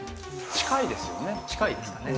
近いですかね。